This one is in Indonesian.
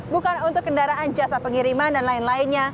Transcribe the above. bukan untuk kendaraan jasa pengiriman dan lain lainnya